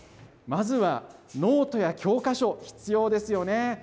まずはノートや教科書、必要ですよね。